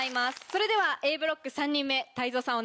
それではＡブロック３人目泰造さん